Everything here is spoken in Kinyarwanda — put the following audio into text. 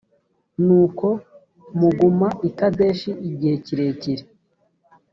nuko muguma i kadeshi igihe kirekire